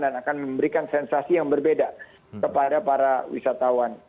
dan akan memberikan sensasi yang berbeda kepada para wisatawan